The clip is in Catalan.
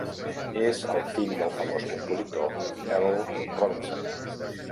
És el fill del famós compositor Earl Robinson.